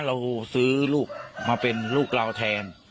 เราซื้อลูกมาเป็นลูกเราแทน